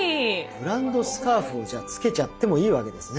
ブランドスカーフもじゃあ付けちゃってもいいわけですね。